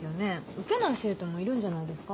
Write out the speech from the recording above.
受けない生徒もいるんじゃないですか？